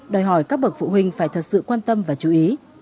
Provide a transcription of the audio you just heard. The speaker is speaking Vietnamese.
đòi hỏi các bậc phụ huynh phải thật sự quan tâm và chú ý